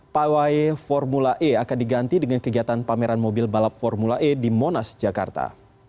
pawai formula e akan diganti dengan kegiatan pameran mobil balap formula e di monas jakarta